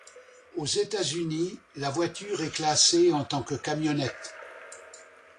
Aux États-Unis, la voiture est classée en tant que camionnette.